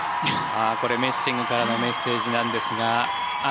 これ、メッシングからのメッセージなんですが。